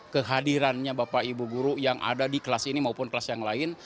kehadirannya bapak ibu guru yang ada di kelas ini maupun kelas yang lain